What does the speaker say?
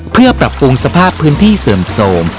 เพื่อปรับปรุงสภาพพื้นที่เสื่อมโทรม